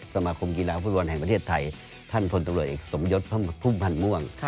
สมาคมกีฬาฟุตบอลแห่งประเทศไทยท่านพลตำรวจเอกสมยศพุ่มพันธ์ม่วง